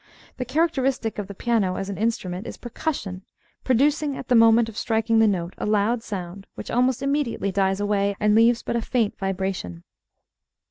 The characteristic of the piano as an instrument is percussion, producing, at the moment of striking the note, a loud sound which almost immediately dies away and leaves but a faint vibration.